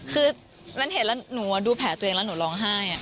คือมันเห็นแล้วหนูดูแผลตัวเองแล้วหนูร้องไห้